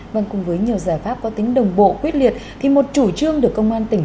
vâng cùng với nhiều giải pháp có tính đồng bộ quyết liệt thì một chủ trương được công an tỉnh